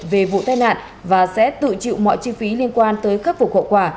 về vụ tai nạn và sẽ tự chịu mọi chi phí liên quan tới khắc phục hậu quả